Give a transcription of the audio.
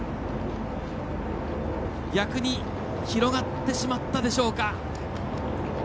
逆に広がってしまったでしょうか。